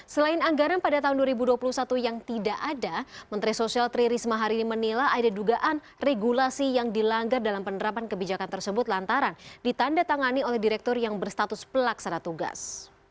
selain anggaran pada tahun dua ribu dua puluh satu yang tidak ada menteri sosial tri risma hari ini menilai ada dugaan regulasi yang dilanggar dalam penerapan kebijakan tersebut lantaran ditanda tangani oleh direktur yang berstatus pelaksana tugas